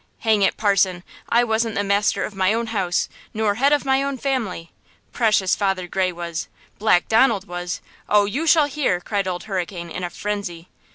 Hang it, parson, I wasn't the master of my own house, nor head of my own family! Precious, Father Gray was! Black Donald was! Oh, you shall hear!" cried Old Hurricane, in a frenzy.